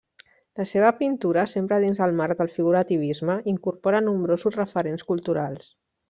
La seva pintura, sempre dins el marc del figurativisme, incorpora nombrosos referents culturals.